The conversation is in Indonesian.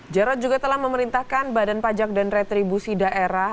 jarod juga telah memerintahkan badan pajak dan retribusi daerah